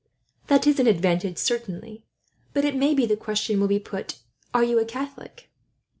"That is an advantage, certainly; but it may be the question will be put, 'Are you a Catholic?'"